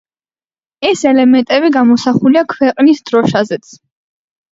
ეს ელემენტები გამოსახულია ქვეყნის დროშაზეც.